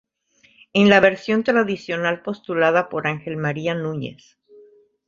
En la versión tradicional postulada por Ángel María Núñez.